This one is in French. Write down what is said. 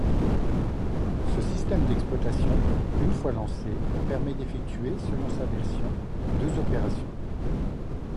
Ce système d'exploitation, une fois lancé, permet d'effectuer selon sa version deux opérations.